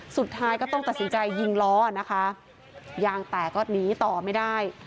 สุดท้ายก็ต้องตัดสินใจยิงล้อนะคะยางแตกก็หนีต่อไม่ได้